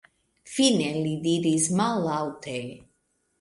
Fine li diris mallaŭte: